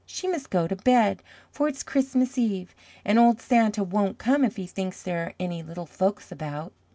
She must go to bed, for it's Christmas Eve, and old Santa won't come if he thinks there are any little folks about."